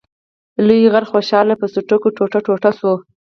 لوی غر خوشحال په څټکو ټوټه ټوټه شو.